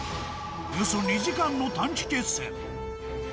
およそ２時間の短期決戦。